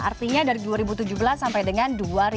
artinya dari dua ribu tujuh belas sampai dengan dua ribu dua puluh